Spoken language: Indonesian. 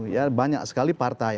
ya banyak sekali partai